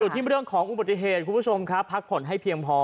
ที่เรื่องของอุบัติเหตุคุณผู้ชมครับพักผ่อนให้เพียงพอ